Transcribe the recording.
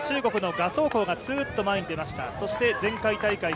ここで中国の賀相紅がスッと前に出ました。